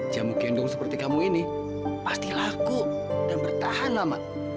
jamu gendong seperti kamu ini pasti laku dan bertahan lama